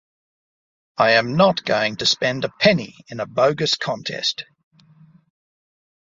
I am not going to spend a penny in a bogus contest.